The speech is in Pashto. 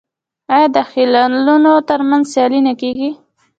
آیا د خیلونو ترمنځ سیالي نه کیږي؟